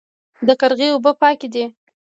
د قرغې اوبه پاکې دي